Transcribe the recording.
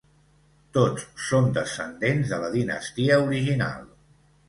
Tots són descendents de la dinastia original.